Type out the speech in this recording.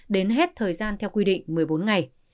đến hết thời gian theo quy định một mươi bốn ngày